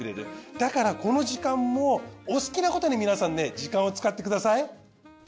だからこの時間もお好きなことに皆さんね時間を使ってください。